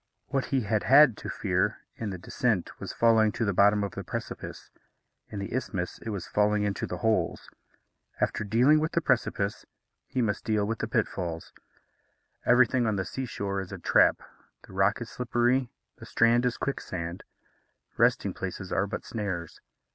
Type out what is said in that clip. What he had had to fear in the descent was falling to the bottom of the precipice; in the isthmus, it was falling into the holes. After dealing with the precipice, he must deal with the pitfalls. Everything on the sea shore is a trap the rock is slippery, the strand is quicksand. Resting places are but snares.